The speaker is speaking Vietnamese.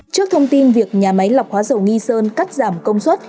trước thông tin việc nhà máy lọc hóa dầu nghi sơn cắt giảm công suất